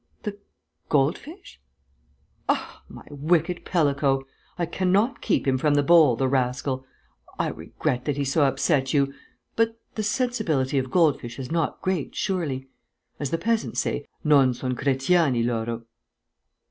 "The gold fish? Ah, my wicked Pellico.... I cannot keep him from the bowl, the rascal. I regret that he so upset you. But the sensibility of gold fish is not great, surely? As the peasants say, non son chretiani loro!"